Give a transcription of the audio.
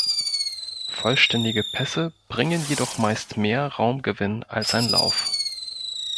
Vollständige Pässe bringen jedoch meist mehr Raumgewinn als ein Lauf.